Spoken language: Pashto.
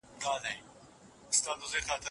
مرتد هغه څوک دی چي له خپل دین څخه وګرځي.